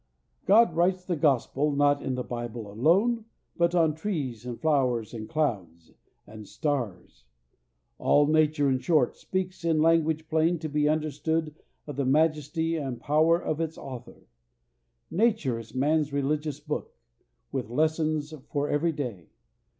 God writes the Gospel not in the Bible alone, but on trees and flowers and clouds and stars. All nature, in short, speaks in language plain to be understood of the majesty and power of its Author. Nature is man's religious book, with lessons for every day.